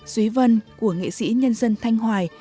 duy vân của nghệ sĩ nhân dân thanh hoài